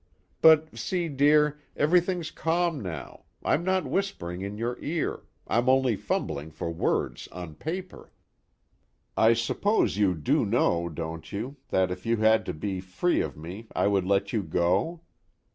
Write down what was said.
But see, dear, everything's calm now, I'm not whispering in your ear, I'm only fumbling for words on paper. I suppose you do know, don't you, that if you had to be free of me I would let you go?